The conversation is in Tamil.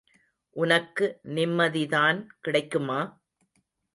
உனக்கு நிம்மதிதான் கிடைக்குமா?